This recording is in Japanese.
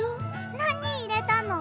なにいれたの？